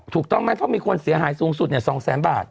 ถูกต้องไหมเพราะมีคนเสียหายสูงสุด๒แสนบาท